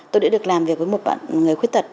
tôi đã được làm việc với một bạn người khuyết tật